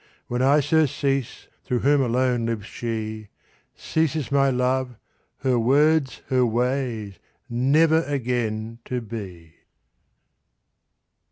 When I surcease, Through whom alone lives she, Ceases my Love, her words, her ways, Never again to be!